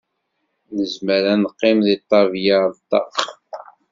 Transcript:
Nezmzer ad neqqim deg ṭabla ar ṭaq?